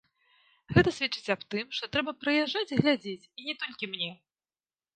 Гэта сведчыць аб тым, што трэба прыязджаць і глядзець, і не толькі мне.